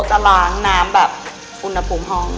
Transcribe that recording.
จะล้างน้ำแบบอุณหภูมิห้อง